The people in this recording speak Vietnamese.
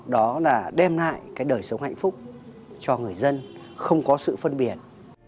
đó là đem lại cái đời sống hạnh phúc cho người dân không có sự phân biệt